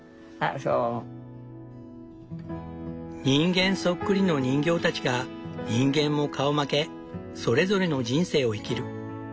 人間そっくりの人形たちが人間も顔負けそれぞれの人生を生きる。